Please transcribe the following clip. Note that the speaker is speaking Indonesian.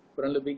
kurang lebih gitu